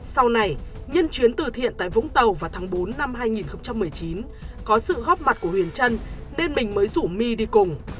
sau này nhân chuyến từ thiện tại vũng tàu vào tháng bốn năm hai nghìn một mươi chín có sự góp mặt của huyền trân nên mình mới rủ my đi cùng